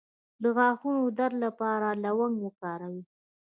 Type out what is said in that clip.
د غاښونو د درد لپاره لونګ وکاروئ